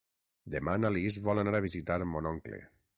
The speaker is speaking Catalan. Demà na Lis vol anar a visitar mon oncle.